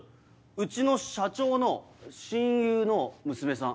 うちの社長の親友の娘さん。